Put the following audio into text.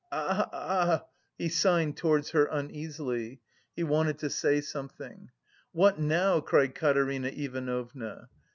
"A ah," he signed towards her uneasily. He wanted to say something. "What now?" cried Katerina Ivanovna.